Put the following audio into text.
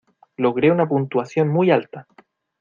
Logré una puntuación muy alta.